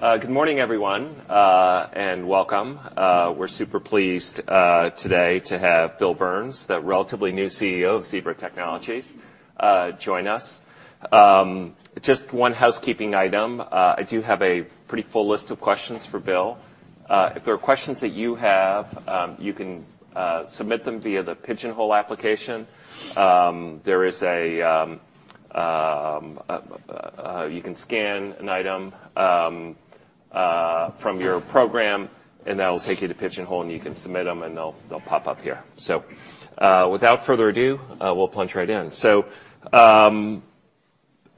Good morning, everyone, and welcome. We're super pleased today to have Bill Burns, the relatively new CEO of Zebra Technologies, join us. Just one housekeeping item. I do have a pretty full list of questions for Bill. If there are questions that you have, you can submit them via the Pigeonhole application. There is a, you can scan an item from your program, and that'll take you to Pigeonhole, and you can submit them, and they'll pop up here. Without further ado, we'll plunge right in.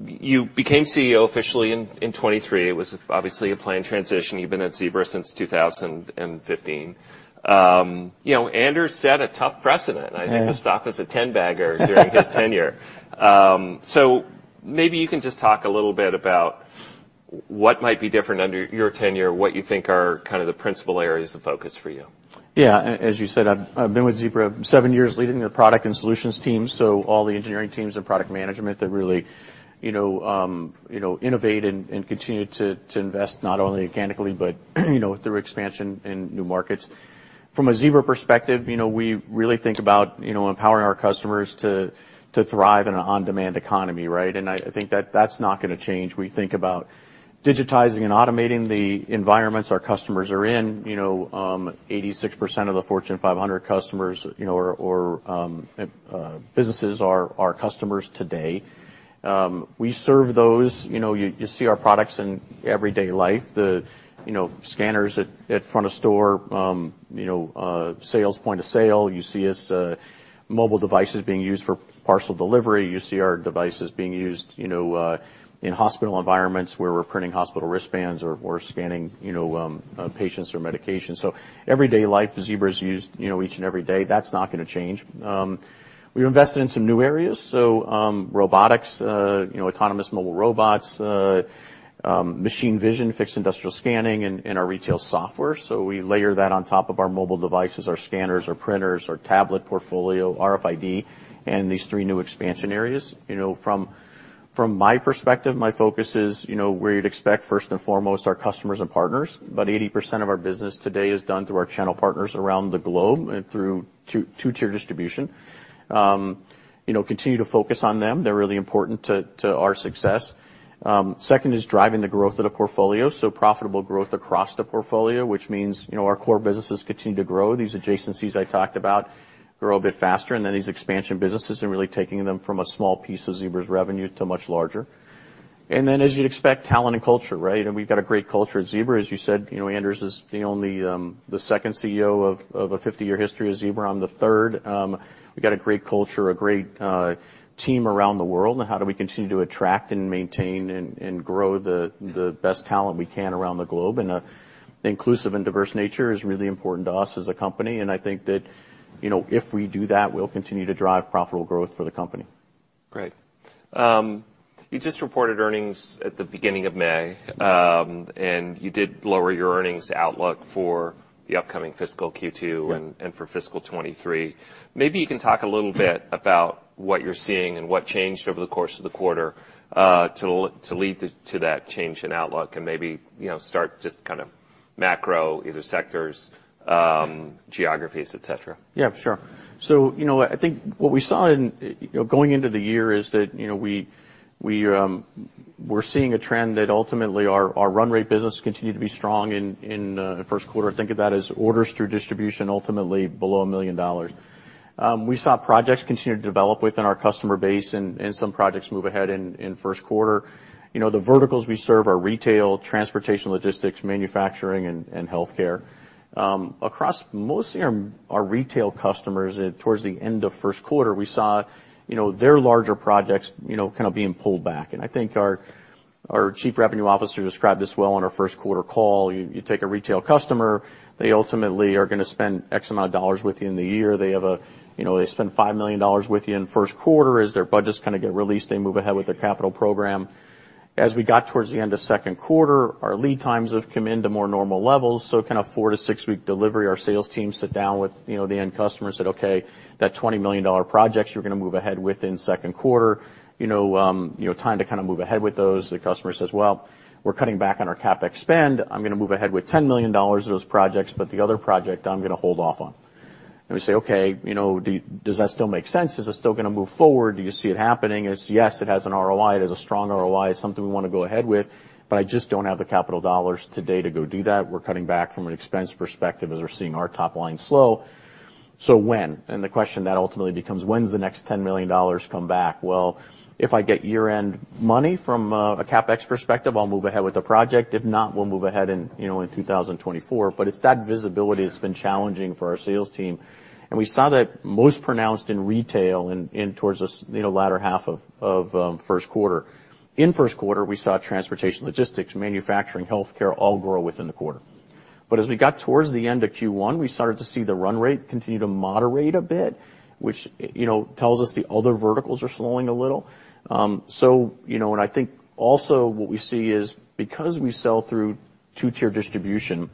You became CEO officially in 2023. It was obviously a planned transition. You've been at Zebra since 2015. You know, Anders set a tough precedent. Right. I think the stock was a 10-bagger during his tenure. Maybe you can just talk a little bit about what might be different under your tenure, what you think are kind of the principal areas of focus for you. As you said, I've been with Zebra seven years, leading their product and solutions team, so all the engineering teams and product management that really, you know, innovate and continue to invest, not only organically but, you know, through expansion in new markets. Zebra perspective, you know, we really think about, you know, empowering our customers to thrive in an on-demand economy, right? I think that that's not gonna change. We think about digitizing and automating the environments our customers are in. You know, 86% of the Fortune 500 customers, you know, or businesses are our customers today. We serve those... You know, you see our products in everyday life, the, you know, scanners at front of store, you know, sales, point of sale. You see us mobile devices being used for parcel delivery. You see our devices being used, you know, in hospital environments, where we're printing hospital wristbands or scanning, you know, patients or medications. Everyday life, Zebra is used, you know, each and every day. That's not gonna change. We invested in some new areas, robotics, you know, autonomous mobile robots, machine vision, fixed industrial scanning, and our retail software. We layer that on top of our mobile devices, our scanners, our printers, our tablet portfolio, RFID, and these three new expansion areas. You know, from my perspective, my focus is, you know, where you'd expect, first and foremost, our customers and partners. About 80% of our business today is done through our channel partners around the globe and through two-tier distribution. You know, continue to focus on them. They're really important to our success. Second is driving the growth of the portfolio, so profitable growth across the portfolio, which means, you know, our core businesses continue to grow. These adjacencies I talked about grow a bit faster, and then these expansion businesses are really taking them from a small piece of Zebra's revenue to much larger. Then, as you'd expect, talent and culture, right? We've got a great culture at Zebra. As you said, you know, Anders is the only, the second CEO of a 50-year history of Zebra. I'm the third. We've got a great culture, a great team around the world, and how do we continue to attract and maintain and grow the best talent we can around the globe? A inclusive and diverse nature is really important to us as a company, and I think that, you know, if we do that, we'll continue to drive profitable growth for the company. Great. You just reported earnings at the beginning of May. Yep. You did lower your earnings outlook for the upcoming fiscal Q2. Yeah... and for fiscal 2023. Maybe you can talk a little bit about what you're seeing and what changed over the course of the quarter, to lead to that change in outlook, and maybe, you know, start just kind of macro, either sectors, geographies, et cetera. For sure. You know, I think what we saw in, you know, going into the year is that, you know, we're seeing a trend that ultimately our run rate business continued to be strong in the Q1. Think of that as orders through distribution, ultimately below $1 million. We saw projects continue to develop within our customer base and some projects move ahead in Q1. You know, the verticals we serve are retail, transportation, logistics, manufacturing, and healthcare. Across most of our retail customers, at towards the end of Q1, we saw, you know, their larger projects, you know, kind of being pulled back, and I think our Chief Revenue Officer described this well on our Q1 call. You take a retail customer. They ultimately are gonna spend X amount of dollars with you in the year. You know, they spend $5 million with you in the Q1. As their budgets kind of get released, they move ahead with their capital program. As we got towards the end of Q2, our lead times have come in to more normal levels, so kind of four to six-week delivery. Our sales team sit down with, you know, the end customer and said, "Okay, that $20 million project you were gonna move ahead with in Q2, you know, you know, time to kind of move ahead with those." The customer says, "Well, we're cutting back on our CapEx spend. I'm gonna move ahead with $10 million of those projects, but the other project, I'm gonna hold off on." We say, "Okay, you know, does that still make sense? Is this still gonna move forward? Do you see it happening?" He says, "Yes, it has an ROI. It has a strong ROI. It's something we want to go ahead with, but I just don't have the capital dollars today to go do that. We're cutting back from an expense perspective, as we're seeing our top line slow." "When?" The question then ultimately becomes: When does the next $10 million come back? "Well, if I get year-end money from a CapEx perspective, I'll move ahead with the project. If not, we'll move ahead in, you know, in 2024. It's that visibility that's been challenging for our sales team, and we saw that most pronounced in retail, in towards this, you know, latter half of, Q1. In Q1, we saw transportation, logistics, manufacturing, healthcare all grow within the quarter. As we got towards the end of Q1, we started to see the run rate continue to moderate a bit, which, you know, tells us the other verticals are slowing a little. You know, and I think also what we see is, because we sell through two-tier distribution.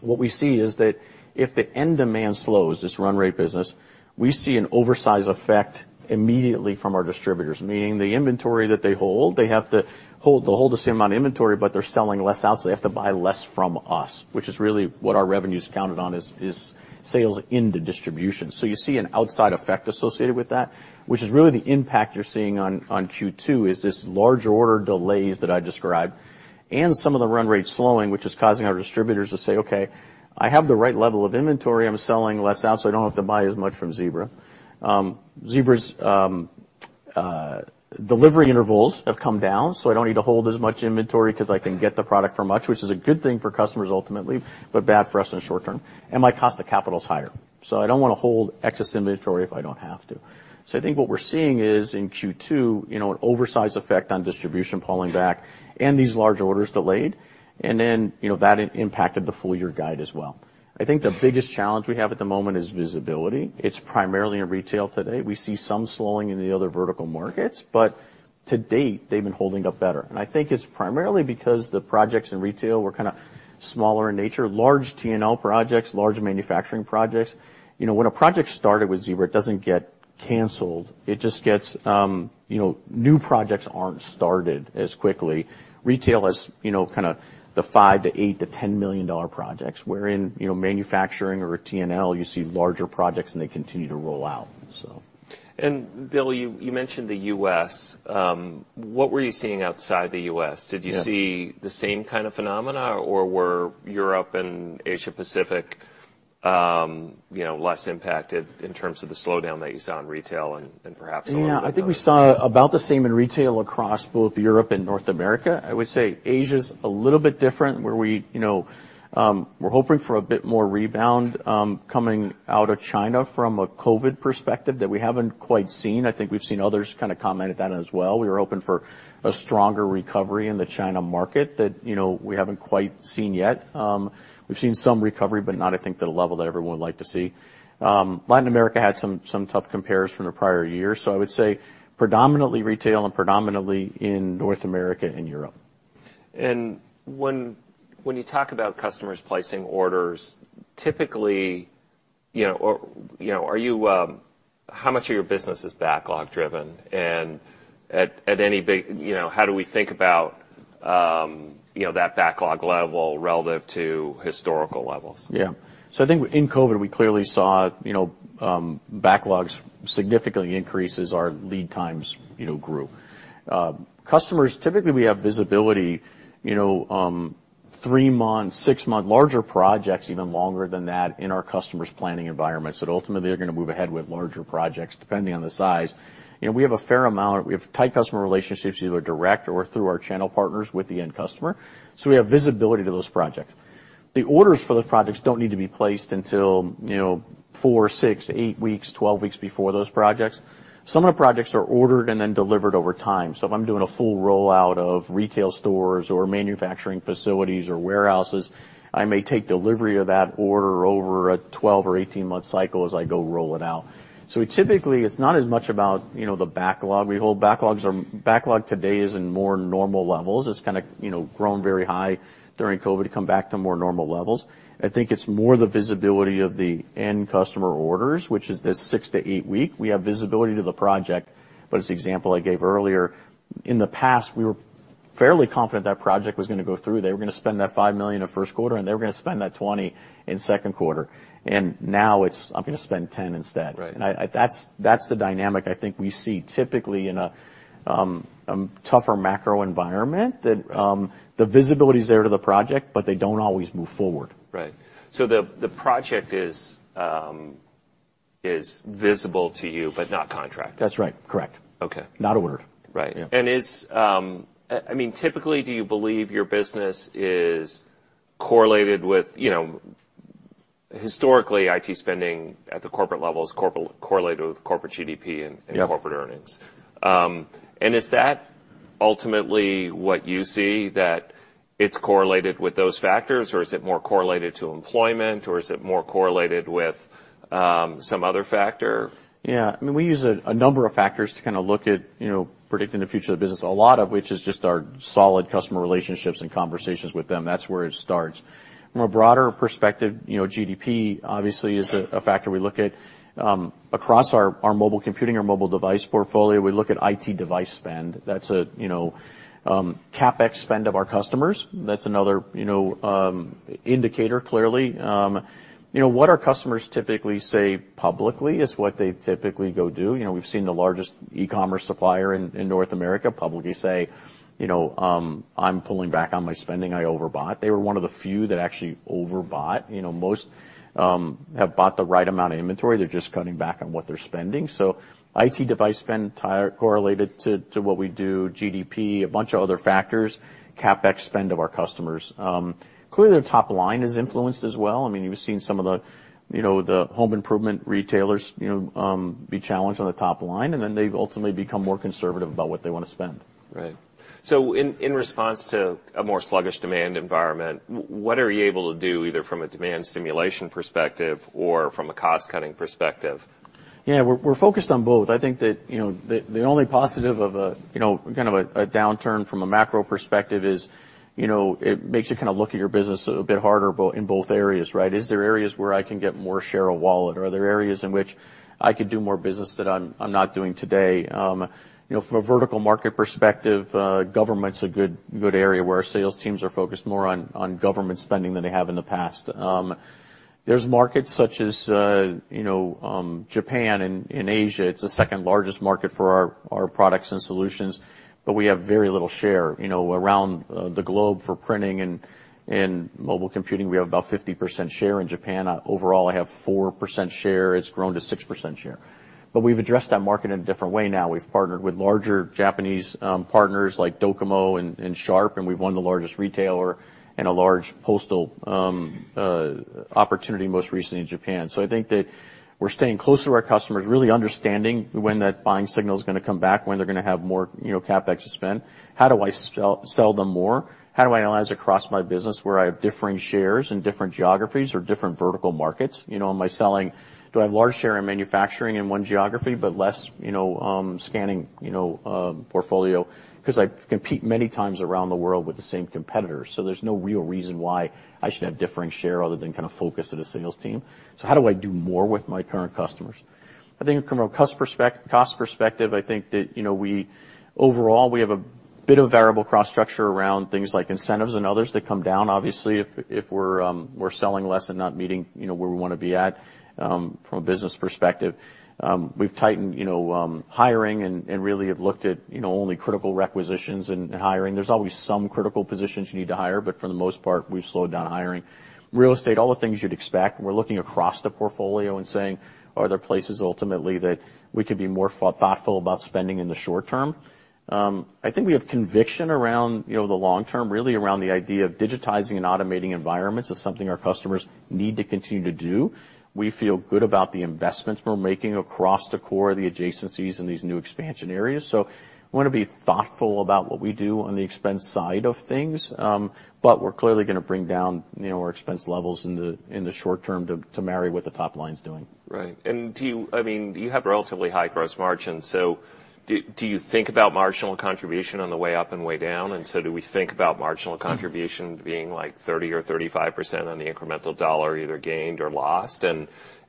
what we see is that if the end demand slows, this run rate business, we see an oversize effect immediately from our distributors, meaning the inventory that they hold, they have to hold, they'll hold the same amount of inventory, but they're selling less out, so they have to buy less from us, which is really what our revenue is counted on, is sales into distribution. You see an outside effect associated with that, which is really the impact you're seeing on Q2, is this large order delays that I described and some of the run rate slowing, which is causing our distributors to say, "Okay, I have the right level of inventory. I'm selling less out, so I don't have to buy as much from Zebra. Zebra's delivery intervals have come down, so I don't need to hold as much inventory 'cause I can get the product for much, which is a good thing for customers ultimately, but bad for us in the short term. My cost of capital is higher, so I don't wanna hold excess inventory if I don't have to. I think what we're seeing is in Q2, you know, an oversize effect on distribution pulling back and these large orders delayed, and then, you know, that impacted the full year guide as well. I think the biggest challenge we have at the moment is visibility. It's primarily in retail today. We see some slowing in the other vertical markets, but to date, they've been holding up better. I think it's primarily because the projects in retail were kind of smaller in nature, large TNL projects, large manufacturing projects. You know, when a project started with Zebra, it doesn't get canceled. It just gets, you know, new projects aren't started as quickly. Retail is, you know, kind of the $5 million to $8 million to $10 million projects, wherein, you know, manufacturing or TNL, you see larger projects, and they continue to roll out, so. Bill, you mentioned the U.S. What were you seeing outside the U.S.? Yeah. Did you see the same kind of phenomena, or were Europe and Asia-Pacific, you know, less impacted in terms of the slowdown that you saw in retail and perhaps some of the other... Yeah, I think we saw about the same in retail across both Europe and North America. I would say Asia's a little bit different, where we, you know, we're hoping for a bit more rebound, coming out of China from a COVID perspective that we haven't quite seen. I think we've seen others kind of comment at that as well. We were hoping for a stronger recovery in the China market that, you know, we haven't quite seen yet. We've seen some recovery, but not, I think, the level that everyone would like to see. Latin America had some tough compares from the prior year, I would say predominantly retail and predominantly in North America and Europe. When you talk about customers placing orders, typically, you know, or, you know, are you, how much of your business is backlog driven? You know, how do we think about, you know, that backlog level relative to historical levels? Yeah. I think in COVID, we clearly saw, you know, backlogs significantly increase as our lead times, you know, grew. Customers, typically, we have visibility, you know, three-month, six-month, larger projects, even longer than that in our customers' planning environments, that ultimately are gonna move ahead with larger projects, depending on the size. You know, we have a fair amount, we have tight customer relationships, either direct or through our channel partners with the end customer, so we have visibility to those projects. The orders for those projects don't need to be placed until, you know, four, six, eight weeks, 12 weeks before those projects. Some of the projects are ordered and then delivered over time. If I'm doing a full rollout of retail stores or manufacturing facilities or warehouses, I may take delivery of that order over a 12 or 18-month cycle as I go roll it out. We typically, it's not as much about, you know, the backlog we hold. Backlog today is in more normal levels. It's kind of, you know, grown very high during COVID, to come back to more normal levels. I think it's more the visibility of the end customer orders, which is this six to eight week. We have visibility to the project, but as the example I gave earlier, in the past, we were fairly confident that project was gonna go through. They were gonna spend that $5 million in the Q1, and they were gonna spend that $20 million in Q2. Now it's, "I'm gonna spend $10 million instead. Right. That's the dynamic I think we see typically in a tougher macro environment, that the visibility is there to the project, but they don't always move forward. The project is visible to you, but not contract? That's right. Correct. Okay. Not ordered. Right. Yeah. Is, I mean, typically, do you believe your business is correlated with, you know, historically, IT spending at the corporate level is correlated with corporate GDP and-? Yeah Corporate earnings. Is that ultimately what you see, that it's correlated with those factors, or is it more correlated to employment, or is it more correlated with, some other factor? Yeah. I mean, we use a number of factors to kind of look at, you know, predicting the future of the business, a lot of which is just our solid customer relationships and conversations with them. That's where it starts. From a broader perspective, you know, GDP obviously is a factor we look at. Across our mobile computing, our mobile device portfolio, we look at IT device spend. That's a, you know, CapEx spend of our customers. That's another, you know, indicator, clearly. You know, what our customers typically say publicly is what they typically go do. You know, we've seen the largest e-commerce supplier in North America publicly say, you know, "I'm pulling back on my spending. I overbought." They were one of the few that actually overbought. You know, most have bought the right amount of inventory. They're just cutting back on what they're spending. IT device spend correlated to what we do, GDP, a bunch of other factors, CapEx spend of our customers. Clearly, their top line is influenced as well. I mean, you've seen some of the, you know, the home improvement retailers, you know, be challenged on the top line, and then they've ultimately become more conservative about what they want to spend. In response to a more sluggish demand environment, what are you able to do, either from a demand stimulation perspective or from a cost-cutting perspective? Yeah, we're focused on both. I think that, you know, the only positive of a, you know, kind of a downturn from a macro perspective is, you know, it makes you kind of look at your business a bit harder in both areas, right? Is there areas where I can get more share of wallet? Are there areas in which I could do more business that I'm not doing today? You know, from a vertical market perspective, government's a good area where our sales teams are focused more on government spending than they have in the past. There's markets such as, you know, Japan in Asia. It's the second largest market for our products and solutions, but we have very little share. You know, around the globe for printing and mobile computing, we have about 50% share. In Japan, overall, I have 4% share. It's grown to 6% share. We've addressed that market in a different way now. We've partnered with larger Japanese partners like Docomo and Sharp, and we've won the largest retailer and a large postal opportunity most recently in Japan. I think that we're staying close to our customers, really understanding when that buying signal is gonna come back, when they're gonna have more, you know, CapEx to spend. How do I sell them more? How do I analyze across my business where I have differing shares in different geographies or different vertical markets? You know, Do I have large share in manufacturing in one geography, but less, you know, scanning, portfolio? 'Cause I compete many times around the world with the same competitors, so there's no real reason why I should have differing share other than kind of focus of the sales team. How do I do more with my current customers? I think from a cost perspective, I think that, you know, overall, we have a bit of variable cost structure around things like incentives and others that come down, obviously, if we're selling less and not meeting, you know, where we wanna be at from a business perspective. We've tightened, you know, hiring and really have looked at, you know, only critical requisitions and hiring. There's always some critical positions you need to hire. For the most part, we've slowed down hiring. Real estate, all the things you'd expect. We're looking across the portfolio and saying: Are there places ultimately that we could be more thoughtful about spending in the short term? I think we have conviction around, you know, the long term, really around the idea of digitizing and automating environments is something our customers need to continue to do. We feel good about the investments we're making across the core, the adjacencies, and these new expansion areas. Wanna be thoughtful about what we do on the expense side of things. We're clearly gonna bring down, you know, our expense levels in the short term to marry what the top line's doing. Right. I mean, you have relatively high gross margins, so do you think about marginal contribution on the way up and way down? So do we think about marginal contribution? Mm. -being, like, 30% or 35% on the incremental dollar, either gained or lost?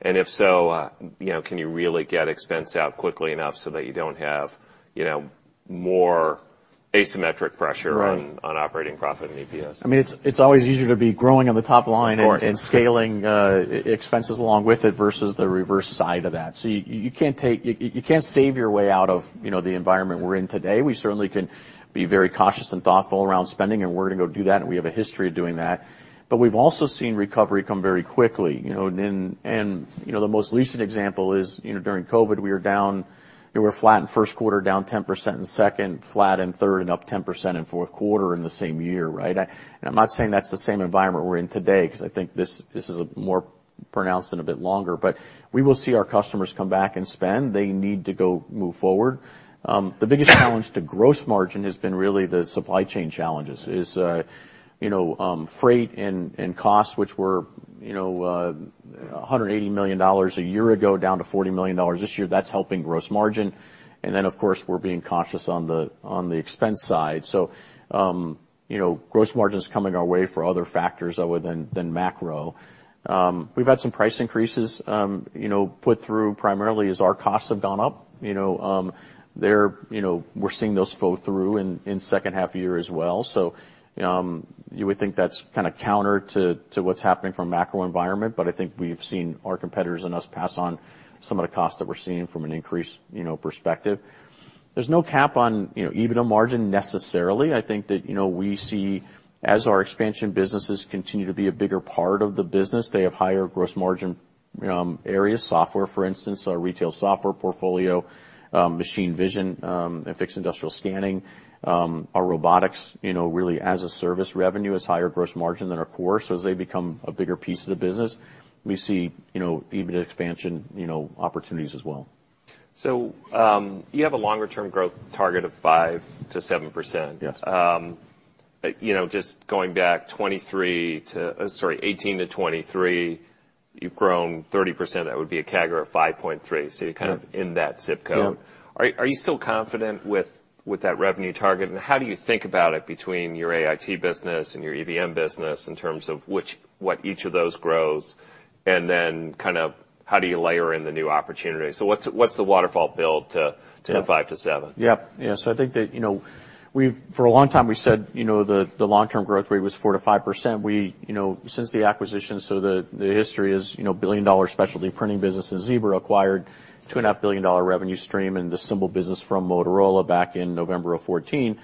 If so, you know, can you really get expense out quickly enough so that you don't have, you know, more asymmetric pressure- Right... on operating profit and EPS? I mean, it's always easier to be growing on the top line. Of course.... and scaling e-expenses along with it, versus the reverse side of that. You can't save your way out of, you know, the environment we're in today. We certainly can be very cautious and thoughtful around spending, and we're gonna go do that, and we have a history of doing that. We've also seen recovery come very quickly, you know, and, you know, the most recent example is, you know, during COVID, we were flat in Q1, down 10% in 2nd, flat in 3rd, and up 10% in Q4 in the same year, right? I'm not saying that's the same environment we're in today, 'cause I think this is a more pronounced and a bit longer, but we will see our customers come back and spend. They need to go move forward. The biggest challenge to gross margin has been really the supply chain challenges, is, you know, freight and costs, which were, you know, $180 million a year ago, down to $40 million this year. That's helping gross margin. Then, of course, we're being cautious on the, on the expense side. You know, gross margin's coming our way for other factors other than macro. We've had some price increases, you know, put through, primarily as our costs have gone up. You know, they're, you know, we're seeing those flow through in H2 of the year as well. You would think that's kinda counter to what's happening from a macro environment. I think we've seen our competitors and us pass on some of the cost that we're seeing from an increase, you know, perspective. There's no cap on, you know, EBITDA margin, necessarily. I think that, you know, we see, as our expansion businesses continue to be a bigger part of the business, they have higher gross margin areas. Software, for instance, our retail software portfolio, machine vision, and fixed industrial scanning, our robotics, you know, really as a service revenue is higher gross margin than our core. As they become a bigger piece of the business, we see, you know, EBITDA expansion, you know, opportunities as well. You have a longer-term growth target of 5%-7%. Yes. You know, just going back, 2018 to 2023, you've grown 30%. That would be a CAGR of 5.3. Yeah. you're kind of in that ZIP code. Yeah. Are you still confident with that revenue target? How do you think about it between your AIT business and your EVM business, in terms of which, what each of those grows, and then kind of how do you layer in the new opportunities? What's the waterfall build? Yeah... to the five to seven? Yeah. I think that, you know, for a long time, we said, you know, the long-term growth rate was 4%-5%. We, you know, since the acquisition, the history is, you know, billion-dollar specialty printing business that Zebra acquired, $2.5 billion revenue stream, and the Symbol business from Motorola back in November 2014.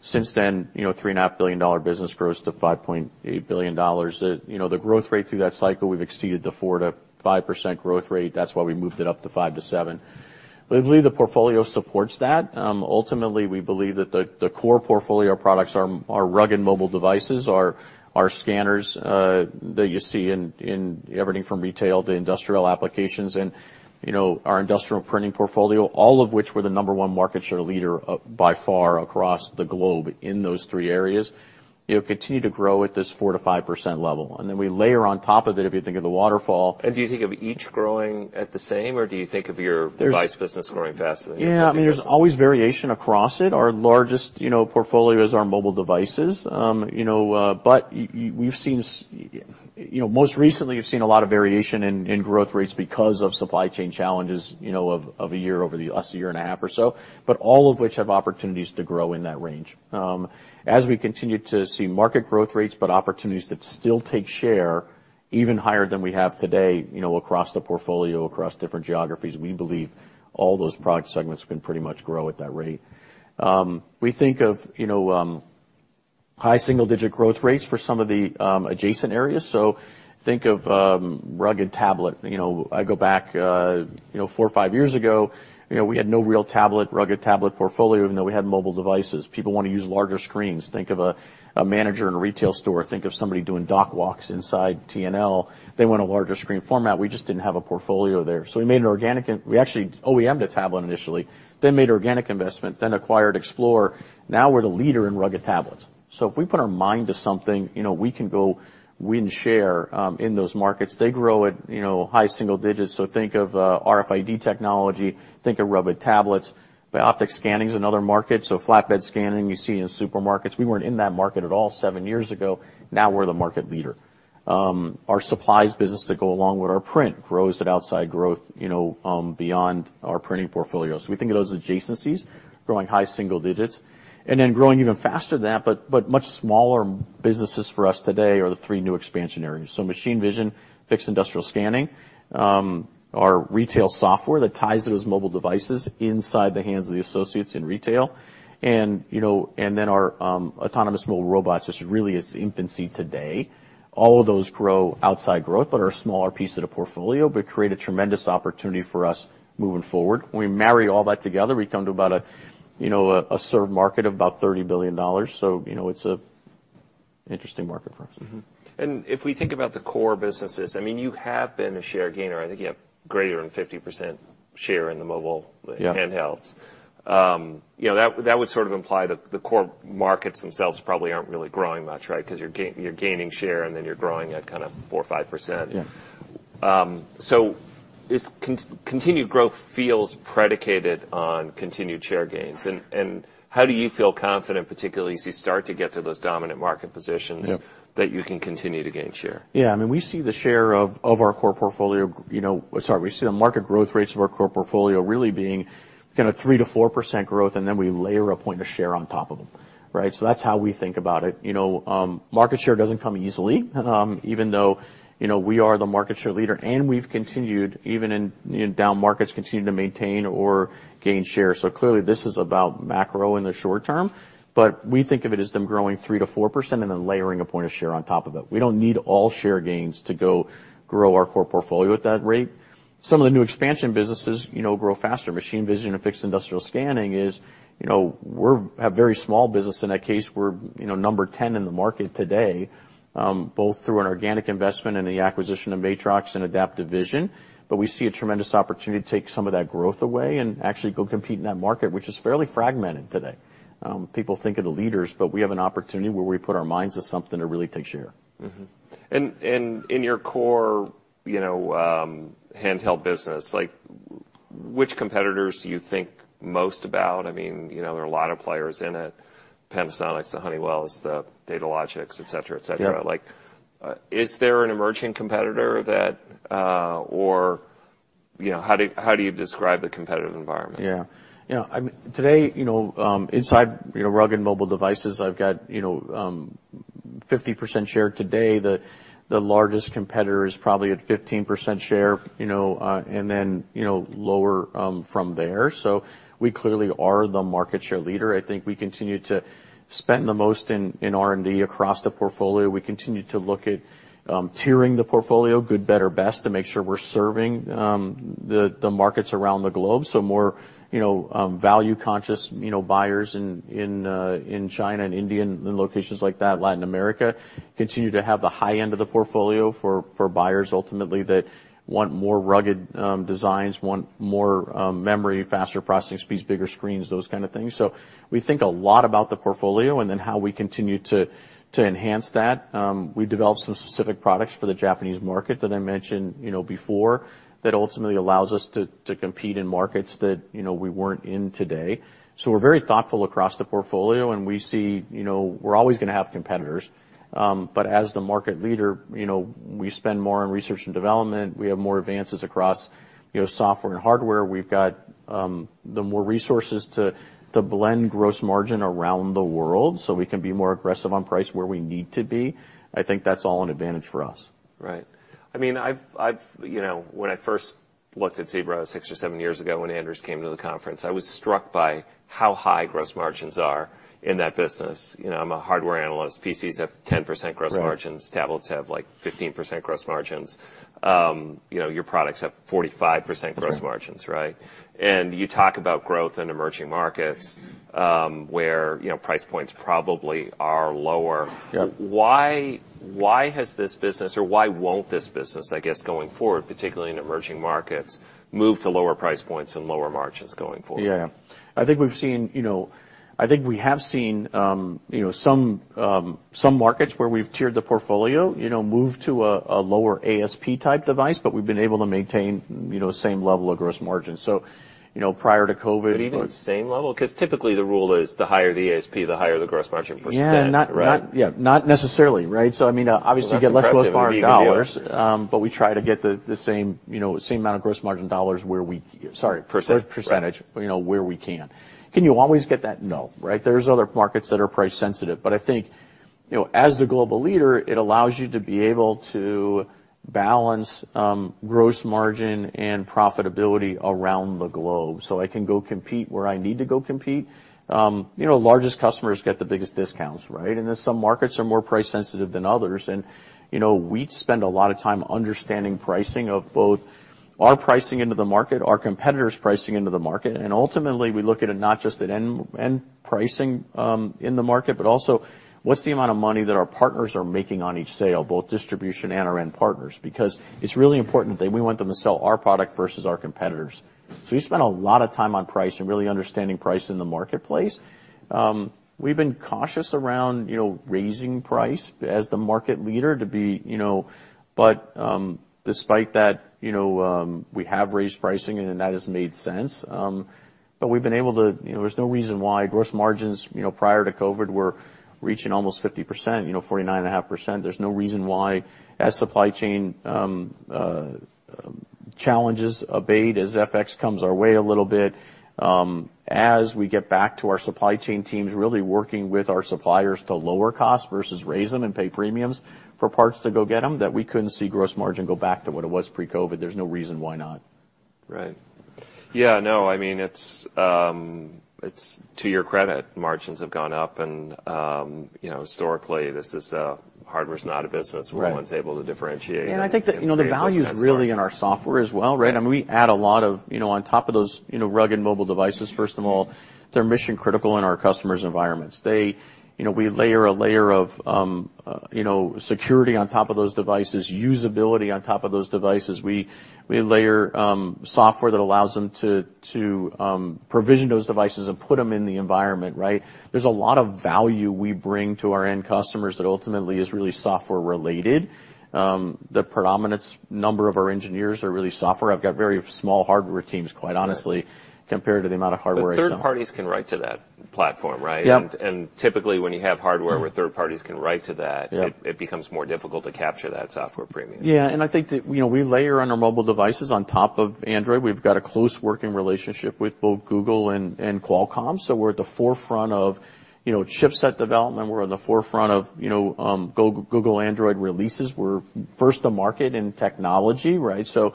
Since then, you know, $3.5 billion business grows to $5.8 billion. You know, the growth rate through that cycle, we've exceeded the 4%-5% growth rate. That's why we moved it up to 5%-7%. We believe the portfolio supports that. Ultimately, we believe that the core portfolio products are rugged mobile devices, are scanners, that you see in everything from retail to industrial applications. You know, our industrial printing portfolio, all of which we're the number one market share leader, by far, across the globe in those three areas, it'll continue to grow at this 4%-5% level. We layer on top of it. Do you think of each growing at the same, or do you think of your? There's-... device business growing faster than the other business? Yeah. I mean, there's always variation across it. Our largest, you know, portfolio is our mobile devices. You know, we've seen, you know, most recently, you've seen a lot of variation in growth rates because of supply chain challenges, you know, of a year, over the last 1.5 years or so, but all of which have opportunities to grow in that range. As we continue to see market growth rates, but opportunities that still take share even higher than we have today, you know, across the portfolio, across different geographies, we believe all those product segments can pretty much grow at that rate. We think of, you know, high single-digit growth rates for some of the adjacent areas. Think of rugged tablet. You know, I go back, you know, four or five years ago, you know, we had no real tablet, rugged tablet portfolio, even though we had mobile devices. People wanna use larger screens. Think of a manager in a retail store, think of somebody doing dock walks inside TNL. They want a larger screen format. We just didn't have a portfolio there. We made an organic We actually OEM'd a tablet initially, then made organic investment, then acquired Xplore. Now we're the leader in rugged tablets. If we put our mind to something, you know, we can go win share in those markets. They grow at, you know, high single digits, so think of RFID technology, think of rugged tablets. Bioptic scanning is another market, so flatbed scanning you see in supermarkets. We weren't in that market at all seven years ago. Now we're the market leader. Our supplies business that go along with our print grows at outside growth, you know, beyond our printing portfolio. We think of those adjacencies growing high single digits. growing even faster than that, but much smaller businesses for us today are the three new expansion areas. machine vision, fixed industrial scanning, our retail software that ties those mobile devices inside the hands of the associates in retail, and, you know, and then our autonomous mobile robots is really its infancy today. All of those grow outside growth, but are a smaller piece of the portfolio, but create a tremendous opportunity for us moving forward. We marry all that together, we come to about a, you know, a served market of about $30 billion. you know, it's a interesting market for us. If we think about the core businesses, I mean, you have been a share gainer. I think you have greater than 50% share in the mobile... Yeah handhelds. you know, that would sort of imply that the core markets themselves probably aren't really growing much, right? 'Cause you're gaining share, and then you're growing at kind of 4%-5%. Yeah. This continued growth feels predicated on continued share gains. How do you feel confident, particularly as you start to get to those dominant market positions? Yep that you can continue to gain share? I mean, we see the share of our core portfolio, you know... Sorry, we see the market growth rates of our core portfolio really being kinda 3%-4% growth, and then we layer one point of share on top of them, right? That's how we think about it. You know, market share doesn't come easily, even though, you know, we are the market share leader, and we've continued, even in down markets, continued to maintain or gain share. Clearly, this is about macro in the short term, but we think of it as them growing 3%-4% and then layering one point of share on top of it. We don't need all share gains to go grow our core portfolio at that rate. Some of the new expansion businesses, you know, grow faster. Machine vision and fixed industrial scanning is, you know, we have very small business. In that case, we're, you know, number 10 in the market today, both through an organic investment and the acquisition of Matrox and Adaptive Vision. We see a tremendous opportunity to take some of that growth away and actually go compete in that market, which is fairly fragmented today. People think of the leaders, but we have an opportunity where we put our minds to something to really take share. In your core, you know, handheld business, like, which competitors do you think most about? I mean, you know, there are a lot of players in it, Panasonic, Honeywell, Datalogic, et cetera, et cetera. Yeah. Like, is there an emerging competitor that? You know, how do you describe the competitive environment? Yeah. You know, today, you know, inside, you know, rugged mobile devices, I've got, you know, 50% share today. The largest competitor is probably at 15% share, you know, and then, you know, lower from there. We clearly are the market share leader. I think we continue to spend the most in R&D across the portfolio. We continue to look at tiering the portfolio, good, better, best, to make sure we're serving the markets around the globe. More, you know, value-conscious, you know, buyers in China and India and locations like that, Latin America. Continue to have the high end of the portfolio for buyers, ultimately, that want more rugged designs, want more memory, faster processing speeds, bigger screens, those kind of things. We think a lot about the portfolio and then how we continue to enhance that. We developed some specific products for the Japanese market that I mentioned, you know, before, that ultimately allows us to compete in markets that, you know, we weren't in today. We're very thoughtful across the portfolio, and we see, you know, we're always gonna have competitors. As the market leader, you know, we spend more on research and development. We have more advances across, you know, software and hardware. We've got the more resources to blend gross margin around the world, so we can be more aggressive on price where we need to be. I think that's all an advantage for us. Right. I mean, I've You know, when I first looked at Zebra six or seven years ago, when Anders came to the conference, I was struck by how high gross margins are in that business. You know, I'm a hardware analyst. PCs have 10% gross margins. Right. Tablets have, like, 15% gross margins. You know, your products have 45% gross margins, right? Mm-hmm. You talk about growth in emerging markets, where, you know, price points probably are lower. Yep. Why has this business, or why won't this business, I guess, going forward, particularly in emerging markets, move to lower price points and lower margins going forward? Yeah. I think we have seen, you know, some markets where we've tiered the portfolio, you know, move to a lower ASP-type device. We've been able to maintain, you know, the same level of gross margin. You know, prior to COVID. Even same level? 'Cause typically, the rule is the higher the ASP, the higher the gross margin percentage, right? Yeah, not... Yeah, not necessarily, right? I mean, obviously, you get less- Well, that's impressive if you can do it.... dollar, but we try to get the same, you know, same amount of gross margin dollars where we. Sorry. Percent... percentage Right... you know, where we can. Can you always get that? No, right? There's other markets that are price sensitive, but you know, as the global leader, it allows you to be able to balance gross margin and profitability around the globe. I can go compete where I need to go compete. You know, largest customers get the biggest discounts, right? Some markets are more price-sensitive than others. You know, we spend a lot of time understanding pricing of both our pricing into the market, our competitor's pricing into the market. Ultimately, we look at it not just at end pricing in the market, but also what's the amount of money that our partners are making on each sale, both distribution and our end partners? It's really important that we want them to sell our product versus our competitors. We spend a lot of time on price and really understanding price in the marketplace. We've been cautious around, you know, raising price as the market leader to be, you know. Despite that, you know, we have raised pricing, and then that has made sense. We've been able to. You know, there's no reason why gross margins, you know, prior to COVID, were reaching almost 50%, you know, 49.5%. There's no reason why, as supply chain challenges abate, as FX comes our way a little bit, as we get back to our supply chain teams, really working with our suppliers to lower costs versus raise them and pay premiums for parts to go get them, that we couldn't see gross margin go back to what it was pre-COVID. There's no reason why not. Right. Yeah, no, I mean, it's to your credit, margins have gone up. You know, historically, this is hardware's not a business- Right - where one's able to differentiate. I think that, you know, the value is really in our software as well, right? Yeah. I mean, we add a lot of, you know, on top of those, you know, rugged mobile devices, first of all, they're mission-critical in our customers' environments. You know, we layer a layer of, you know, security on top of those devices, usability on top of those devices. We layer software that allows them to provision those devices and put them in the environment, right? There's a lot of value we bring to our end customers that ultimately is really software related. The predominance number of our engineers are really software. I've got very small hardware teams, quite honestly. Right compared to the amount of hardware I sell. third parties can write to that platform, right? Yep. Typically, when you have hardware where third parties can write to that... Yep... it becomes more difficult to capture that software premium. Yeah, I think that, you know, we layer on our mobile devices on top of Android. We've got a close working relationship with both Google and Qualcomm, so we're at the forefront of, you know, chipset development. We're on the forefront of, you know, Google Android releases. We're first to market in technology, right? You know,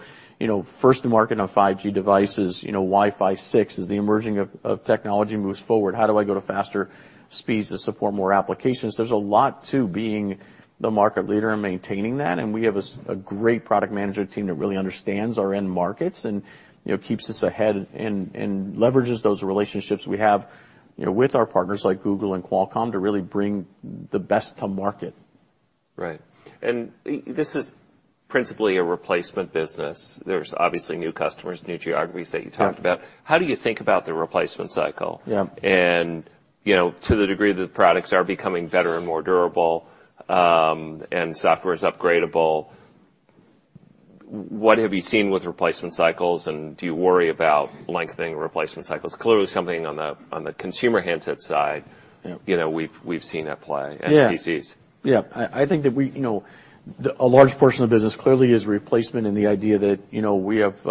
first to market on 5G devices, you know, Wi-Fi 6. As the emerging of technology moves forward, how do I go to faster speeds to support more applications? There's a lot to being the market leader and maintaining that, and we have a great product management team that really understands our end markets and, you know, keeps us ahead and leverages those relationships we have, you know, with our partners like Google and Qualcomm, to really bring the best to market. Right. This is principally a replacement business. There's obviously new customers, new geographies that you talked about. Yeah. How do you think about the replacement cycle? Yeah. You know, to the degree that the products are becoming better and more durable, and software is upgradable, what have you seen with replacement cycles, and do you worry about lengthening replacement cycles? Clearly, something on the, on the consumer handset side- Yeah... you know, we've seen at play- Yeah this is. Yeah. I think that we, you know, a large portion of the business clearly is replacement and the idea that, you know, we have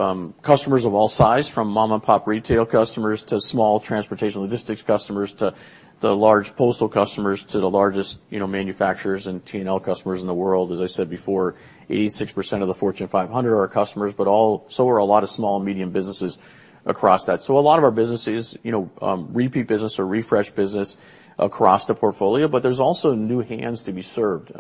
customers of all sizes, from mom-and-pop retail customers to small transportation logistics customers to the large postal customers to the largest, you know, manufacturers and TNL customers in the world. As I said before, 86% of the Fortune 500 are our customers, so are a lot of small and medium businesses across that. A lot of our business is, you know, repeat business or refresh business across the portfolio, but there's also new hands to be served.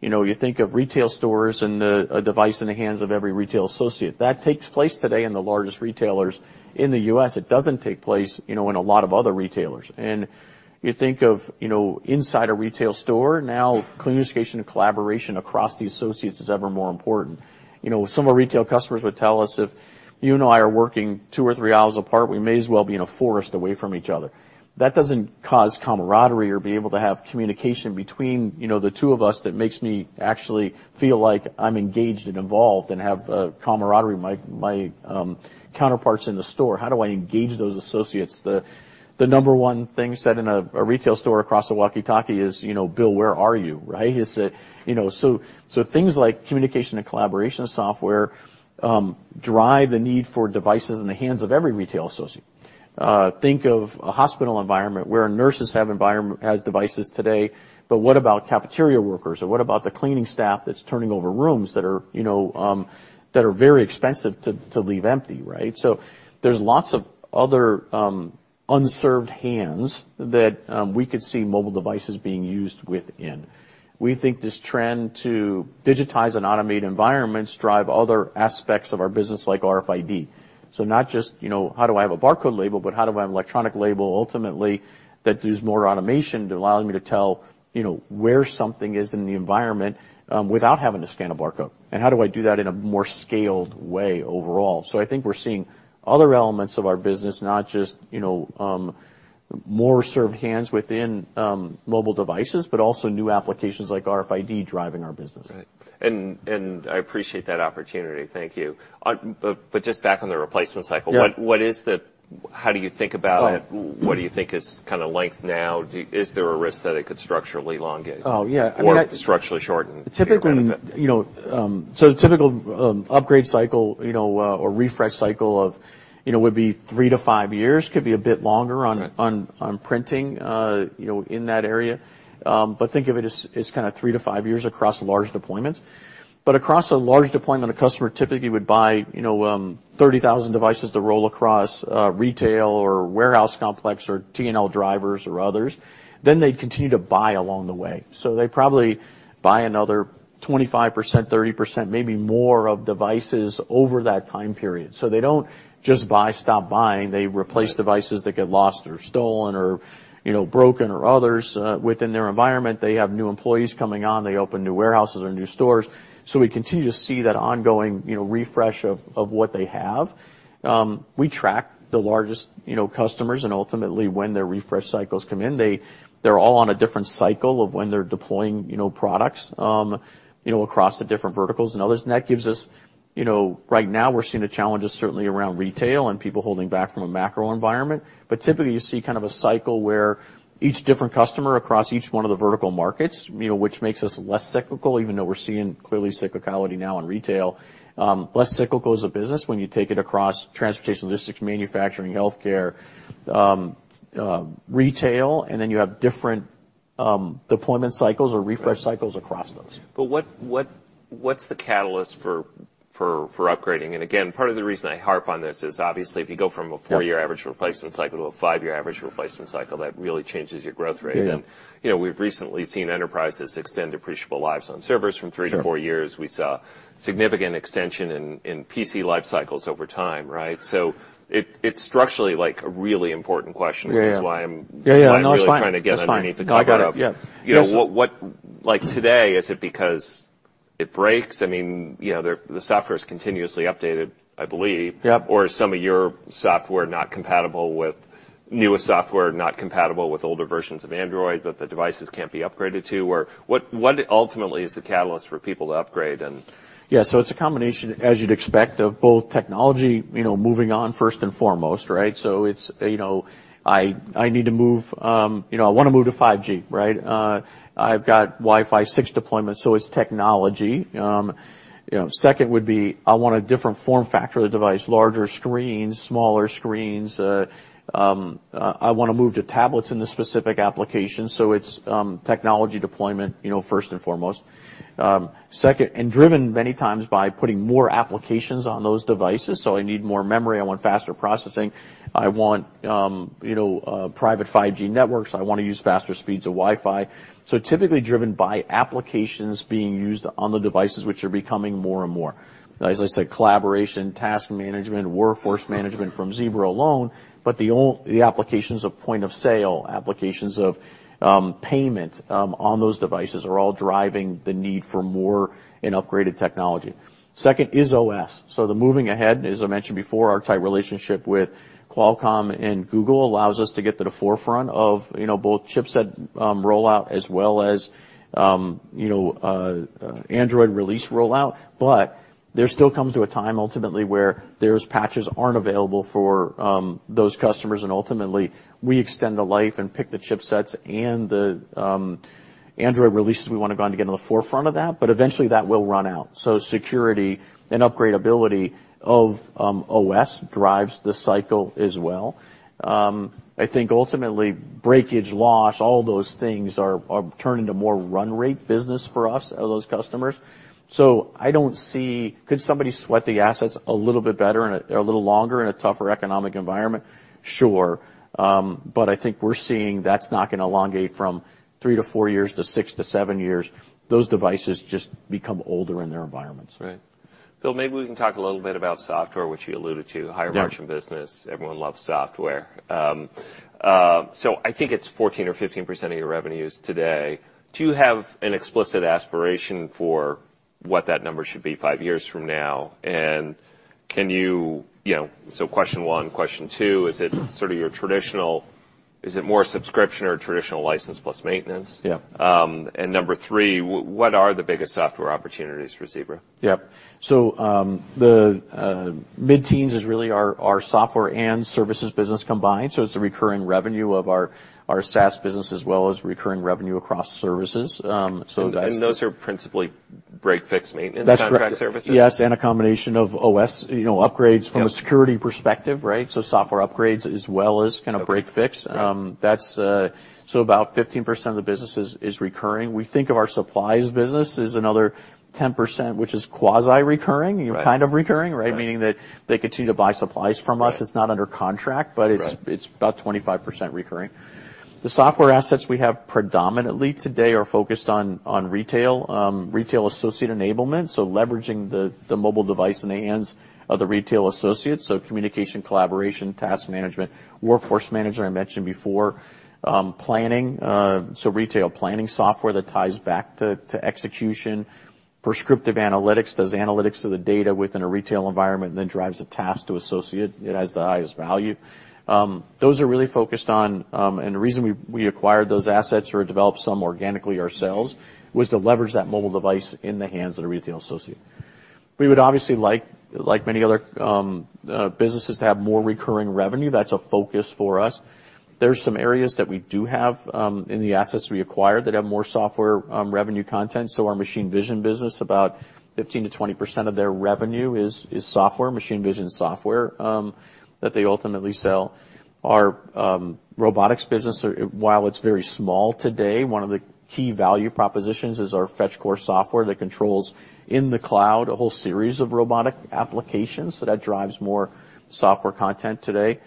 You know, you think of retail stores and a device in the hands of every retail associate. That takes place today in the largest retailers in the U.S. It doesn't take place, you know, in a lot of other retailers. You think of, you know, inside a retail store, now communication and collaboration across the associates is ever more important. You know, some of our retail customers would tell us, "If you and I are working two or three aisles apart, we may as well be in a forest away from each other." That doesn't cause camaraderie or be able to have communication between, you know, the two of us that makes me actually feel like I'm engaged and involved and have a camaraderie with my counterparts in the store. How do I engage those associates? The number one thing said in a retail store across the walkie-talkie is, you know, "Bill, where are you?" Right? You know, so things like communication and collaboration software drive the need for devices in the hands of every retail associate. Think of a hospital environment where nurses have devices today, but what about cafeteria workers, or what about the cleaning staff that's turning over rooms that are, you know, that are very expensive to leave empty, right? There's lots of other unserved hands that we could see mobile devices being used within. We think this trend to digitize and automate environments drive other aspects of our business, like RFID. Not just, you know, how do I have a barcode label, but how do I have an electronic label, ultimately, that there's more automation to allowing me to tell, you know, where something is in the environment without having to scan a barcode? How do I do that in a more scaled way overall? I think we're seeing other elements of our business, not just, you know, more served hands within mobile devices, but also new applications like RFID driving our business. Right. I appreciate that opportunity. Thank you. Just back on the replacement cycle. Yeah... how do you think about it? Oh. What do you think is kind of length now? Is there a risk that it could structurally elongate? Oh, yeah, I mean. Structurally shorten to your benefit? Typically, you know, typical upgrade cycle, you know, or refresh cycle of, you know, would be 3-5 years, could be a bit longer on printing, you know, in that area. Think of it as kind of 3-5 years across large deployments. Across a large deployment, a customer typically would buy, you know, 30,000 devices to roll across retail or warehouse complex or TNL drivers or others, then they'd continue to buy along the way. They probably buy another 25%, 30%, maybe more of devices over that time period. They don't just buy, stop buying. Right. They replace devices that get lost or stolen or, you know, broken or others within their environment. They have new employees coming on. They open new warehouses or new stores. We continue to see that ongoing, you know, refresh of what they have. We track the largest, you know, customers, and ultimately, when their refresh cycles come in, they're all on a different cycle of when they're deploying, you know, products, you know, across the different verticals and others. That gives us. You know, right now we're seeing the challenges certainly around retail and people holding back from a macro environment. Typically, you see kind of a cycle where each different customer across each one of the vertical markets, you know, which makes us less cyclical, even though we're seeing clearly cyclicality now in retail. less cyclical as a business when you take it across transportation, logistics, manufacturing, healthcare, retail, and then you have different deployment cycles or refresh cycles across those. What's the catalyst for upgrading? Again, part of the reason I harp on this is obviously, if you go from a four-year- Yeah -average replacement cycle to a five-year average replacement cycle, that really changes your growth rate. Mm-hmm. You know, we've recently seen enterprises extend depreciable lives on servers from three to four years. Sure. We saw significant extension in PC life cycles over time, right? It's structurally like a really important question. Yeah, yeah. Which is why I'm- Yeah, yeah, no, it's fine. Really trying to get underneath the company. I got it, yeah. You know, what, like, today, is it because it breaks? I mean, you know, the software is continuously updated, I believe. Yep. Is some of your software not compatible with... newer software, not compatible with older versions of Android, that the devices can't be upgraded to? What ultimately is the catalyst for people to upgrade? It's a combination, as you'd expect, of both technology, you know, moving on first and foremost, right? It's, you know, I need to move, you know, I want to move to 5G, right? I've got Wi-Fi 6 deployment, so it's technology. You know, second would be, I want a different form factor of the device, larger screens, smaller screens. I want to move to tablets in the specific application, so it's technology deployment, you know, first and foremost. Second, and driven many times by putting more applications on those devices, so I need more memory, I want faster processing, I want, you know, private 5G networks. I want to use faster speeds of Wi-Fi. Typically driven by applications being used on the devices, which are becoming more and more. As I said, collaboration, task management, workforce management from Zebra alone, the applications of point of sale, applications of payment on those devices are all driving the need for more and upgraded technology. Second is OS. The moving ahead, as I mentioned before, our tight relationship with Qualcomm and Google allows us to get to the forefront of, you know, both chipset rollout as well as, you know, Android release rollout. There still comes to a time, ultimately, where those patches aren't available for those customers, and ultimately, we extend the life and pick the chipsets and the Android releases we want to go on to get on the forefront of that, but eventually, that will run out. Security and upgradability of OS drives the cycle as well. I think ultimately, breakage, loss, all those things are turn into more run rate business for us or those customers. I don't see. Could somebody sweat the assets a little bit better and a little longer in a tougher economic environment? Sure. I think we're seeing that's not going to elongate from 3-4 years to 6-7 years. Those devices just become older in their environments. Right. Bill, maybe we can talk a little bit about software, which you alluded to. Yeah. Higher margin business. Everyone loves software. I think it's 14% or 15% of your revenues today. Do you have an explicit aspiration for what that number should be five years from now? Can you know, question one, question two, is it more subscription or traditional license plus maintenance? Yeah. Number three, what are the biggest software opportunities for Zebra? Yep. The mid-teens is really our software and services business combined. It's the recurring revenue of our SaaS business, as well as recurring revenue across services. Those are principally break-fix maintenance. That's correct.... contract services? Yes, a combination of OS, you know, upgrades... Yep... from a security perspective, right? Software upgrades as well as kind of break fix. Okay. That's about 15% of the business is recurring. We think of our supplies business as another 10%, which is quasi-recurring. Right. Kind of recurring, right? Right. Meaning that they continue to buy supplies from us. Right. It's not under contract. Right It's about 25% recurring. The software assets we have predominantly today are focused on retail associate enablement, so leveraging the mobile device in the hands of the retail associates, so communication, collaboration, task management, workforce management, I mentioned before, planning, so retail planning software that ties back to execution, prescriptive analytics, does analytics to the data within a retail environment, and then drives a task to associate. It has the highest value. Those are really focused on. The reason we acquired those assets or developed some organically ourselves, was to leverage that mobile device in the hands of the retail associate. We would obviously like many other businesses, to have more recurring revenue. That's a focus for us. There's some areas that we do have, in the assets we acquired that have more software, revenue content. Our machine vision business, about 15%-20% of their revenue is software, machine vision software, that they ultimately sell. Our robotics business, while it's very small today, one of the key value propositions is our FetchCore software that controls, in the cloud, a whole series of robotic applications. That drives more software content today.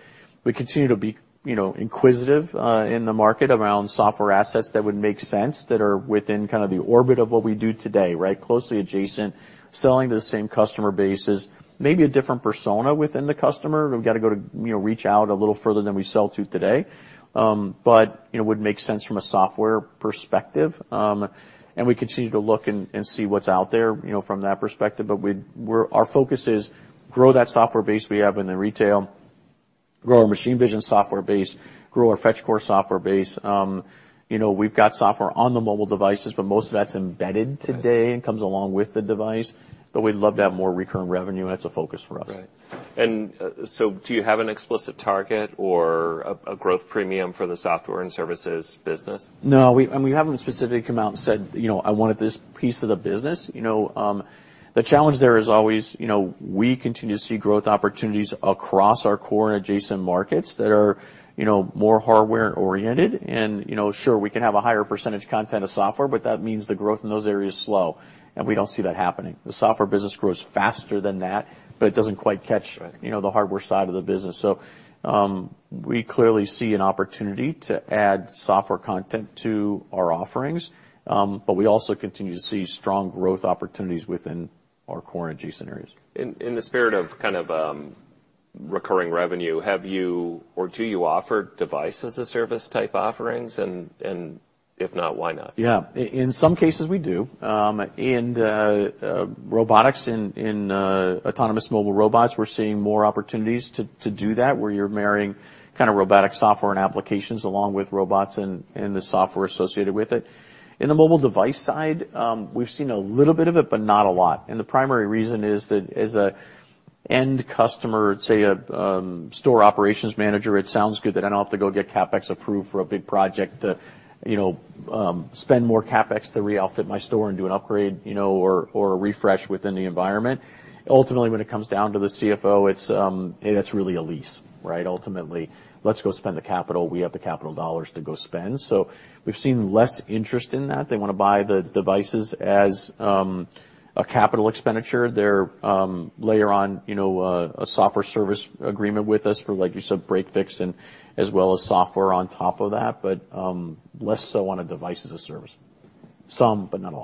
We continue to be, you know, inquisitive, in the market around software assets that would make sense, that are within kind of the orbit of what we do today, right? Closely adjacent, selling to the same customer bases. Maybe a different persona within the customer, we've got to go to, you know, reach out a little further than we sell to today. It would make sense from a software perspective. We continue to look and see what's out there, you know, from that perspective. Our focus is grow that software base we have in the retail, grow our machine vision software base, grow our FetchCore software base. You know, we've got software on the mobile devices, most of that's embedded today and comes along with the device. We'd love to have more recurring revenue. That's a focus for us. Right. Do you have an explicit target or a growth premium for the software and services business? No, we haven't specifically come out and said, "You know, I wanted this piece of the business." You know, the challenge there is always, you know, we continue to see growth opportunities across our core and adjacent markets that are, you know, more hardware-oriented. You know, sure, we can have a higher percentage content of software, but that means the growth in those areas is slow, and we don't see that happening. The software business grows faster than that, but it doesn't quite catch-. Right you know, the hardware side of the business. We clearly see an opportunity to add software content to our offerings, but we also continue to see strong growth opportunities within our core and adjacent areas. In the spirit of kind of recurring revenue, have you or do you offer device-as-a-service type offerings? If not, why not? Yeah. In some cases, we do. In the robotics, in autonomous mobile robots, we're seeing more opportunities to do that, where you're marrying kind of robotic software and applications along with robots and the software associated with it. In the mobile device side, we've seen a little bit of it, but not a lot. The primary reason is that as a end customer, say, a store operations manager, it sounds good that I don't have to go get CapEx approved for a big project to, you know, spend more CapEx to re-outfit my store and do an upgrade, you know, or a refresh within the environment. Ultimately, when it comes down to the CFO, it's really a lease, right? Ultimately, let's go spend the capital. We have the capital dollars to go spend. We've seen less interest in that. They want to buy the devices as a capital expenditure. They're layer on a software service agreement with us for, like you said, break, fix, and as well as software on top of that, but less so on a device as a service. Some, but not a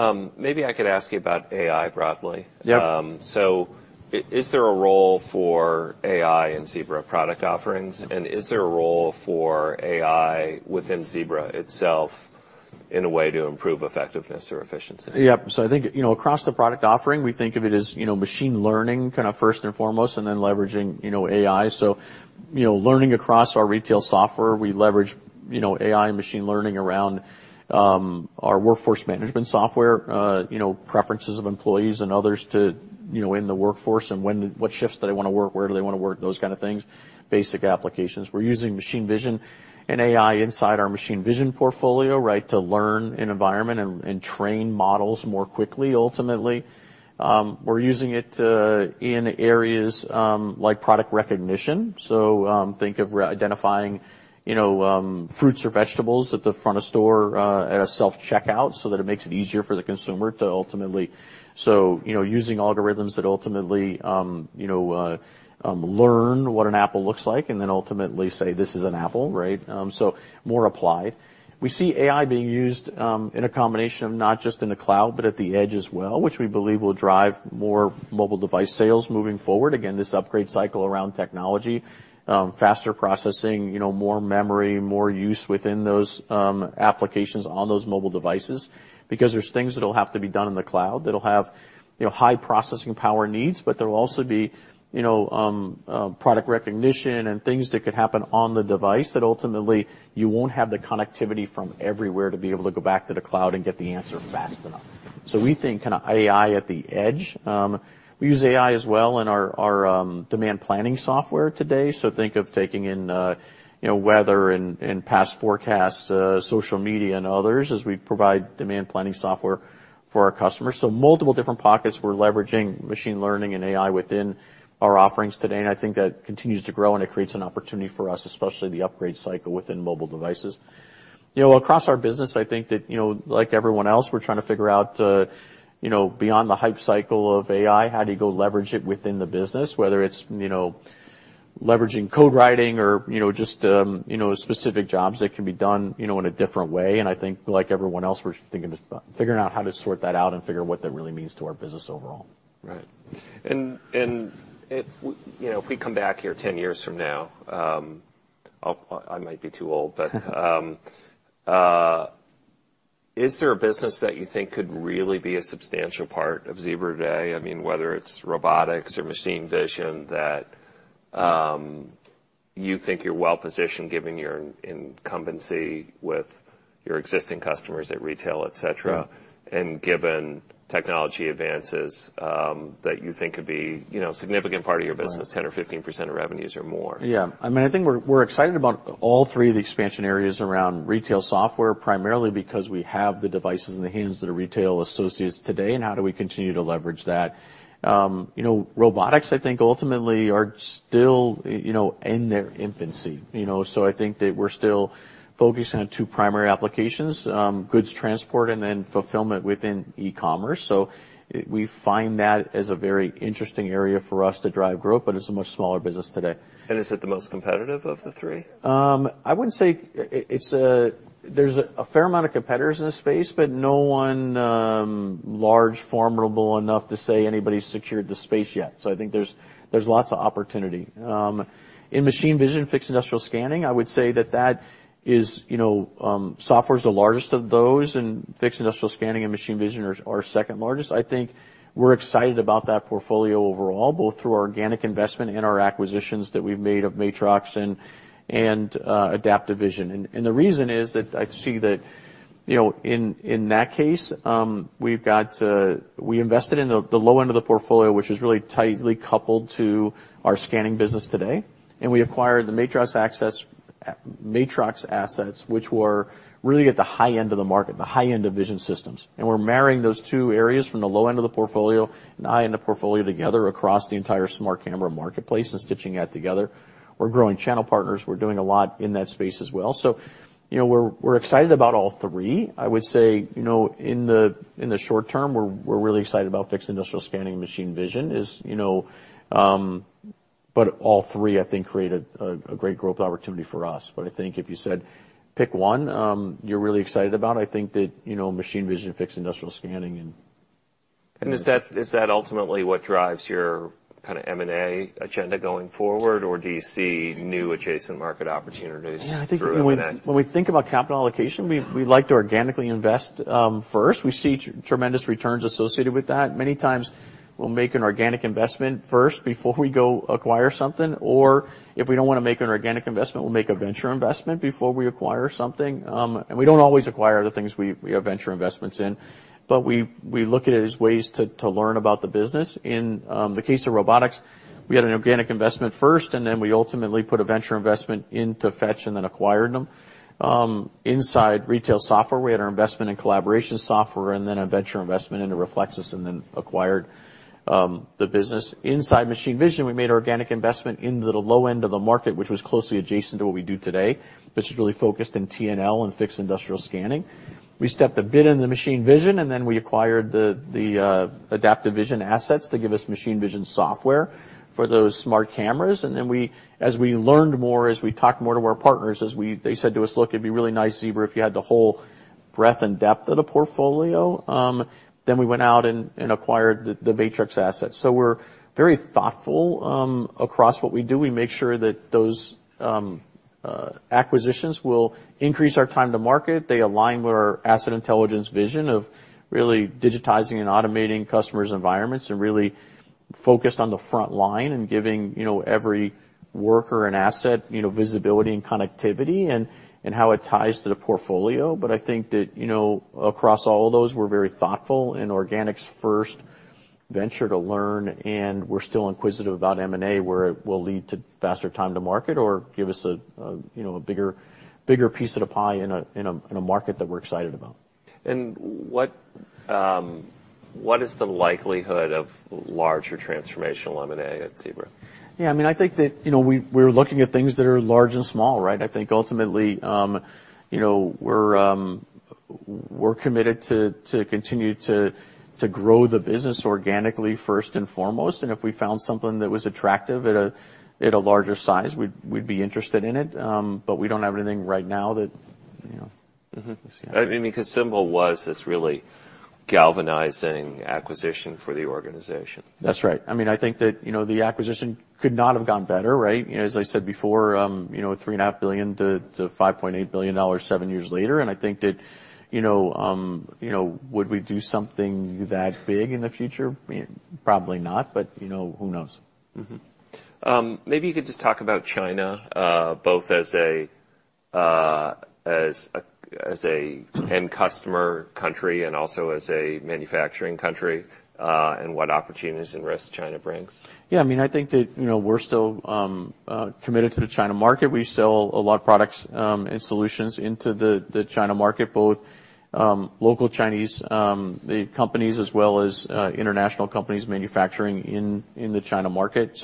lot. Maybe I could ask you about AI broadly. Yep. Is there a role for AI in Zebra product offerings? Is there a role for AI within Zebra itself in a way to improve effectiveness or efficiency? Yep. I think, you know, across the product offering, we think of it as, you know, machine learning kind of first and foremost, and then leveraging, you know, AI. You know, learning across our retail software, we leverage, you know, AI and machine learning around our workforce management software, you know, preferences of employees and others to, you know, in the workforce, and when, what shifts do they want to work, where do they want to work, those kind of things, basic applications. We're using machine vision and AI inside our machine vision portfolio, right, to learn an environment and train models more quickly, ultimately. We're using it in areas like product recognition. Think of identifying, you know, fruits or vegetables at the front of store, at a self-checkout so that it makes it easier for the consumer to ultimately. You know, using algorithms that ultimately, you know, learn what an apple looks like and then ultimately say, "This is an apple," right? More applied. We see AI being used in a combination of not just in the cloud, but at the edge as well, which we believe will drive more mobile device sales moving forward. Again, this upgrade cycle around technology, faster processing, you know, more memory, more use within those applications on those mobile devices, because there's things that'll have to be done in the cloud, that'll have, you know, high processing power needs, but there will also be, you know, product recognition and things that could happen on the device, that ultimately you won't have the connectivity from everywhere to be able to go back to the cloud and get the answer fast enough. We think kind of AI at the edge. We use AI as well in our demand planning software today. Think of taking in, you know, weather and past forecasts, social media and others, as we provide demand planning software for our customers. Multiple different pockets, we're leveraging machine learning and AI within our offerings today, and I think that continues to grow and it creates an opportunity for us, especially the upgrade cycle within mobile devices. You know, across our business, I think that, you know, like everyone else, we're trying to figure out, you know, beyond the hype cycle of AI, how do you go leverage it within the business? Whether it's, you know, leveraging code writing or, you know, just, you know, specific jobs that can be done, you know, in a different way. I think, like everyone else, we're thinking to, figuring out how to sort that out and figure what that really means to our business overall. Right. If, you know, if we come back here 10 years from now, I might be too old... Is there a business that you think could really be a substantial part of Zebra today? I mean, whether it's robotics or machine vision that, you think you're well positioned, given your incumbency with your existing customers at retail, et cetera, and given technology advances, that you think could be, you know, a significant part of your business, 10% or 15% of revenues or more? I mean, I think we're excited about all three of the expansion areas around retail software, primarily because we have the devices in the hands of the retail associates today, and how do we continue to leverage that? You know, robotics, I think, ultimately are still, you know, in their infancy, you know. I think that we're still focusing on two primary applications, goods transport and then fulfillment within e-commerce. We find that as a very interesting area for us to drive growth, but it's a much smaller business today. Is it the most competitive of the three? I wouldn't say... there's a fair amount of competitors in this space, but no one large, formidable enough to say anybody's secured the space yet, so I think there's lots of opportunity. In machine vision, fixed industrial scanning, I would say that that is, you know, software's the largest of those, and fixed industrial scanning and machine vision are second largest. I think we're excited about that portfolio overall, both through organic investment and our acquisitions that we've made of Matrox and Adaptive Vision. The reason is that I see that, you know, in that case, we invested in the low end of the portfolio, which is really tightly coupled to our scanning business today, and we acquired the Matrox Imaging, Matrox assets, which were really at the high end of the market, the high end of vision systems. We're marrying those two areas from the low end of the portfolio and the high end of the portfolio together across the entire smart camera marketplace and stitching that together. We're growing channel partners. We're doing a lot in that space as well. You know, we're excited about all three. I would say, you know, in the short term, we're really excited about fixed industrial scanning and machine vision is, you know. All three, I think, create a great growth opportunity for us. I think if you said, "Pick one, you're really excited about," I think that, you know, machine vision, fixed industrial scanning and. Is that ultimately what drives your kind of M&A agenda going forward, or do you see new adjacent market opportunities through that? I think when we think about capital allocation, we like to organically invest first. We see tremendous returns associated with that. Many times we'll make an organic investment first before we go acquire something, or if we don't wanna make an organic investment, we'll make a venture investment before we acquire something. We don't always acquire the things we have venture investments in, but we look at it as ways to learn about the business. In the case of robotics, we had an organic investment first, then we ultimately put a venture investment into Fetch then acquired them. Inside retail software, we had our investment in collaboration software then a venture investment into Reflexis then acquired the business. Inside machine vision, we made organic investment into the low end of the market, which was closely adjacent to what we do today, which is really focused in TNL and fixed industrial scanning. We stepped a bit in the machine vision, then we acquired the Adaptive Vision assets to give us machine vision software for those smart cameras. Then as we learned more, as we talked more to our partners, as they said to us, "Look, it'd be really nice, Zebra, if you had the whole breadth and depth of the portfolio," then we went out and acquired the Matrox assets. We're very thoughtful across what we do. We make sure that those acquisitions will increase our time to market. They align with our asset intelligence vision of really digitizing and automating customers' environments and really focused on the front line and giving, you know, every worker and asset, you know, visibility and connectivity and how it ties to the portfolio. I think that, you know, across all of those, we're very thoughtful in organics first, venture to learn, and we're still inquisitive about M&A, where it will lead to faster time to market or give us a, you know, a bigger piece of the pie in a market that we're excited about. What is the likelihood of larger transformational M&A at Zebra? Yeah, I mean, I think that, you know, we're looking at things that are large and small, right? I think ultimately, you know, we're committed to continue to grow the business organically, first and foremost. If we found something that was attractive at a, at a larger size, we'd be interested in it. We don't have anything right now that, you know. Mm-hmm. Yeah. I mean, because Symbol was this really galvanizing acquisition for the organization. That's right. I mean, I think that, you know, the acquisition could not have gone better, right? You know, as I said before, you know, $3.5 billion to $5.8 billion seven years later. I think that, you know, would we do something that big in the future? Probably not, but, you know, who knows? Maybe you could just talk about China, both as a end customer country and also as a manufacturing country, and what opportunities and risks China brings. I mean, I think that, you know, we're still committed to the China market. We sell a lot of products and solutions into the China market, both local Chinese companies, as well as international companies manufacturing in the China market.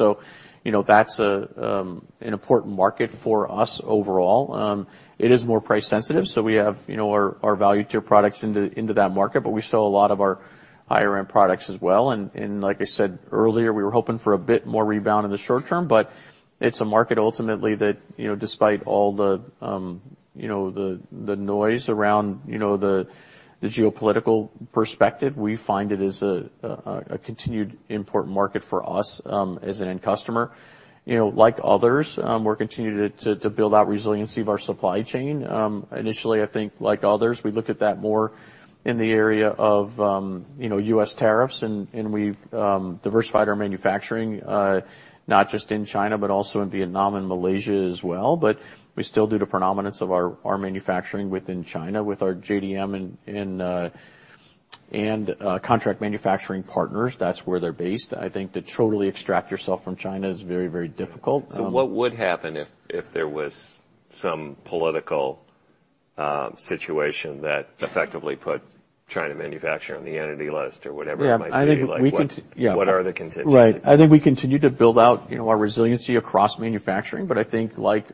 You know, that's an important market for us overall. It is more price sensitive, so we have, you know, our value tier products into that market, but we sell a lot of our higher-end products as well. Like I said earlier, we were hoping for a bit more rebound in the short term, but it's a market ultimately that, you know, despite all the, you know, the noise around, you know, the geopolitical perspective, we find it is a continued important market for us as an end customer. You know, like others, we're continuing to build out resiliency of our supply chain. Initially, I think, like others, we looked at that more in the area of, you know, U.S. tariffs, and we've diversified our manufacturing not just in China, but also in Vietnam and Malaysia as well. But we still do the predominance of our manufacturing within China with our JDM and contract manufacturing partners. That's where they're based. I think to totally extract yourself from China is very, very difficult. What would happen if there was some political situation that effectively put China manufacturer on the Entity List or whatever it might be? Yeah, I think we. Like. Yeah. What are the contingencies? Right. I think we continue to build out, you know, our resiliency across manufacturing. I think, like,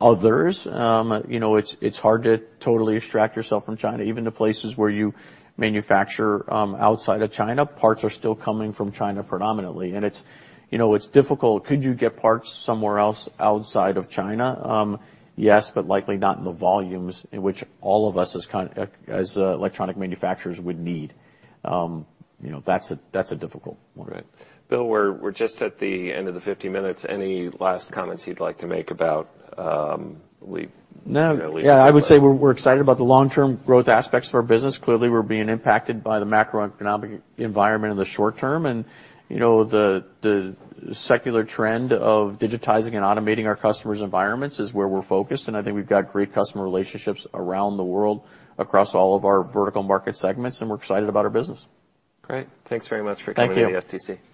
others, you know, it's hard to totally extract yourself from China. Even the places where you manufacture, outside of China, parts are still coming from China predominantly. It's, you know, it's difficult. Could you get parts somewhere else outside of China? Yes, but likely not in the volumes in which all of us as electronic manufacturers would need. You know, that's a difficult one. Right. Bill, we're just at the end of the 50 minutes. Any last comments you'd like to make about? No. Yeah. Yeah, I would say we're excited about the long-term growth aspects of our business. Clearly, we're being impacted by the macroeconomic environment in the short term. You know, the secular trend of digitizing and automating our customers' environments is where we're focused, and I think we've got great customer relationships around the world, across all of our vertical market segments, and we're excited about our business. Great. Thanks very much. Thank you.... coming to the SDC.